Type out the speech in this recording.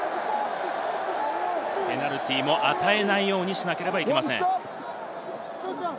ペナルティーも与えないようにしなければいけません。